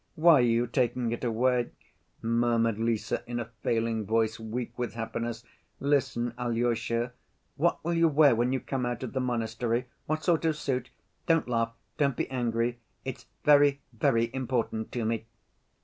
Why are you taking it away?" murmured Lise in a failing voice, weak with happiness. "Listen, Alyosha. What will you wear when you come out of the monastery? What sort of suit? Don't laugh, don't be angry, it's very, very important to me."